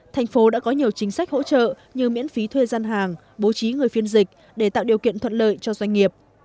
thành phố đã có nhiều chính sách hỗ trợ như miễn phí thuê gian hàng bố trí người phiên dịch để tạo điều kiện thuận lợi cho doanh nghiệp